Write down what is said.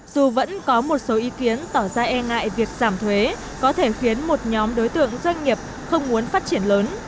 dù vẫn có một số ý kiến tỏ ra e ngại việc giảm thuế có thể khiến một nhóm đối tượng doanh nghiệp không muốn phát triển lớn